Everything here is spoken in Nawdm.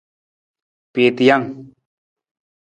Piitijang.